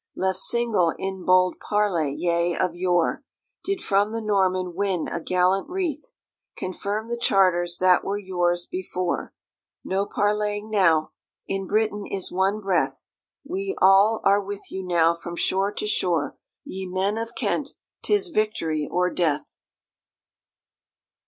Left single, in bold parley, ye, of yore, Did from the Norman win a gallant wreath; Confirmed the charters that were yours before;— No parleying now! in Britain is one breath; We all are with you now from shore to shore:— Ye men of Kent, 'tis victory or death!